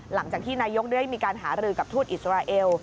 หลังจากที่นายกได้มีการหารือกับทูตอิสราเอล